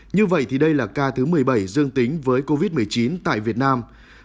như vậy thì đây là ca thứ một mươi bảy dương tính với covid một mươi chín tại việt nam